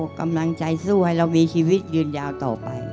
กำลังใจสู้ให้เรามีชีวิตยืนยาวต่อไป